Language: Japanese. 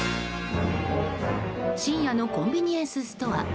深夜のコンビニエンスストア。